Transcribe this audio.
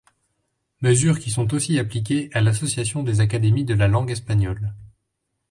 Mesures qui sont aussi appliquées à l'association des académies de la langue espagnole.